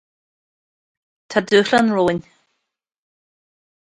Tá dúshlán romhainn.